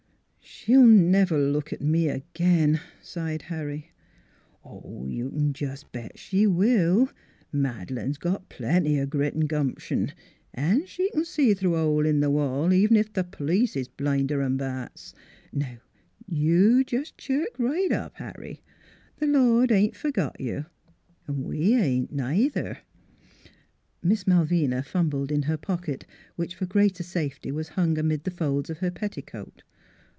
" She'll never look at me again," sighed Harry. 11 You c'n jes' bet she will. Mad'lane's got plenty o' grit 'n' gumption, an' she c'n see through a hole in th' wall, even ef th' p'lice is blinder 'n bats. Now you jes' chirk right up, Harry. The Lord ain't forgot you, 'n' we ain't, neither." Miss Malvina fumbled in her pocket, which for greater safety was hung amid the folds of her petticoat.